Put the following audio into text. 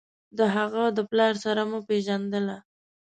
د هغه د پلار سره مو پېژندله.